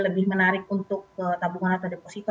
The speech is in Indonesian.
lebih menarik untuk tabungan atau deposito